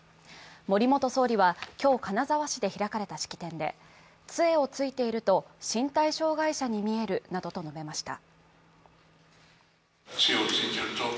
森元総理は今日、金沢市で開かれた式典でつえをついていると身体障害者に見えるなどと述べました。